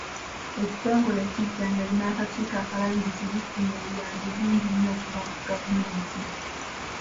Ekitongole ekijjanjabi n'akakiiko akalabirizi bifunye obuyambi bungi nnyo okuva mu gavumenti.